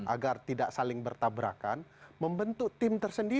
agar tidak saling bertabrak dan menggunakan sentraga kumdu